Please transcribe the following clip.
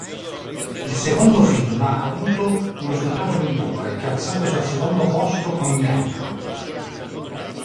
Il secondo film ha avuto un risultato migliore, piazzandosi al secondo posto con yen.